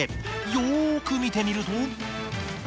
よく見てみると。